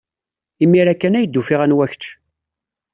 Imir-a kan ay d-ufiɣ anwa kecc.